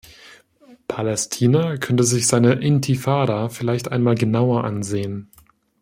Palästina könnte sich seine Intifada vielleicht einmal genauer ansehen.